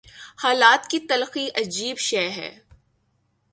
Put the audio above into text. حالات کی تلخی عجیب شے ہے۔